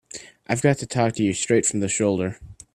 I've got to talk to you straight from the shoulder.